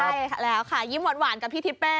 ใช่ค่ะแล้วค่ะยิ้มหวานกับพี่ทิเป้